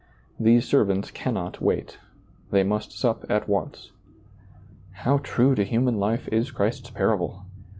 These servants cannot wait. They must sup at once. How true to human life is Christ's parable